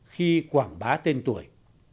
khi quảng bá tên tuổi